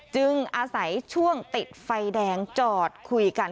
อาศัยช่วงติดไฟแดงจอดคุยกัน